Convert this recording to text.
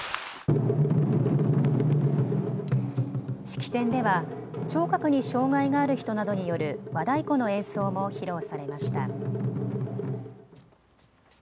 式典では聴覚に障害がある人などによる和太鼓の演奏も披露されました。